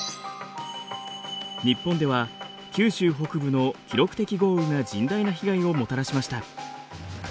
日本では九州北部の記録的豪雨が甚大な被害をもたらしました。